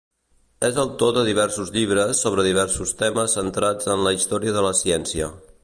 És autor de diversos llibres sobre diversos temes centrats en la història de la ciència.